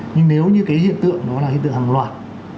nhưng nếu như cái hiện tượng đó là hiện tượng hàng loạt